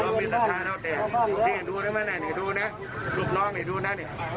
ยอมมิตรฐานเท่าแต่ดูนะลูกน้องดูน่ะ